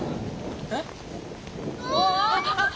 えっ？